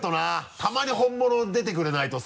たまに本物出てくれないとさ。